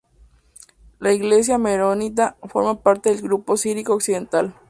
La Iglesia maronita forma parte del grupo sirio-occidental.